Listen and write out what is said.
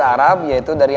hai oh begitu fawad